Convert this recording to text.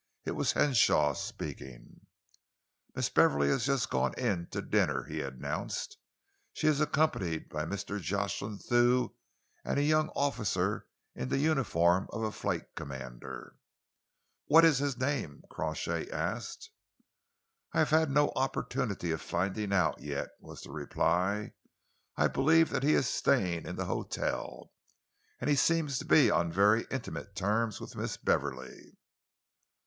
It was Henshaw speaking. "Miss Beverley has just gone in to dinner," he announced. "She is accompanied by Mr. Jocelyn Thew and a young officer in the uniform of a Flight Commander." "What is his name?" Crawshay asked. "I have had no opportunity of finding out yet," was the reply. "I believe that he is staying in the hotel, and he seems to be on very intimate terms with Miss Beverley."